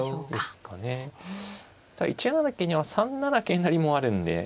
ただ１七桂には３七桂成もあるんで。